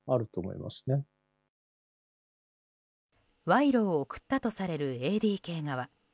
賄賂を贈ったとされるＡＤＫ側。